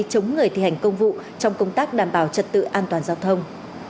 chống người thi hành công vụ trong công tác đảm bảo trật tự an toàn giao thông